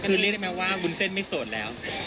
คือเรียกได้ไหมว่าวุ้นเส้นไม่โสดแล้ว